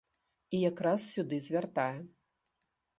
І якраз сюды звяртае.